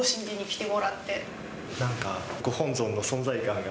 なんか、ご本尊の存在感が。